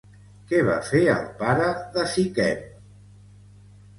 Què va fer el pare de Siquem?